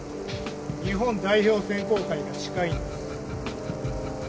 日本代表選考会が近いんです。